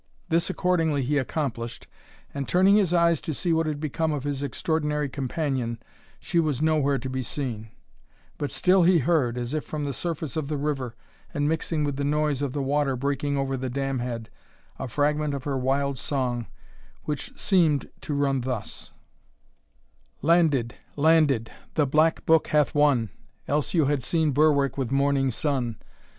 This accordingly he accomplished, and turning his eyes to see what had become of his extraordinary companion, she was nowhere to be seen; but still he heard, as if from the surface of the river, and mixing with the noise of the water breaking over the damhead, a fragment of her wild song, which seemed to run thus: Landed landed! the black book hath won. Else had you seen Berwick with morning sun!